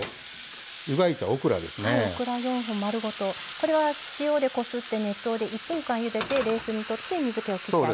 これは塩でこすって熱湯で１分間ゆでて冷水にとって水けをきってあります。